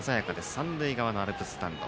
三塁側のアルプススタンド。